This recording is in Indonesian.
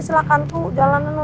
silahkan tuh jalanan lu